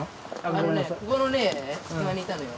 あのねここのね隙間にいたのよ。